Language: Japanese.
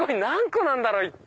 何個なんだろう？